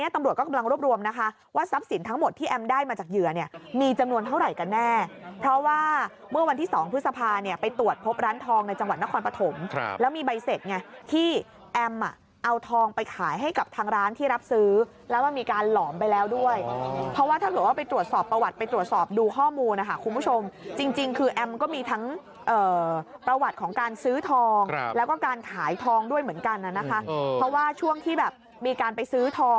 ตรวจพบร้านทองในจังหวัดนครปฐมแล้วมีใบเสร็จไงที่แอมเอาทองไปขายให้กับทางร้านที่รับซื้อแล้วมีการหล่อมไปแล้วด้วยเพราะว่าถ้าถือว่าไปตรวจสอบประวัติไปตรวจสอบดูข้อมูลนะคะคุณผู้ชมจริงคือแอมก็มีทั้งประวัติของการซื้อทองแล้วก็การขายทองด้วยเหมือนกันนะคะเพราะว่าช่วงที่แบบมีการไปซื